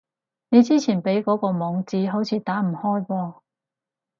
你之前畀嗰個網址，好似打唔開噃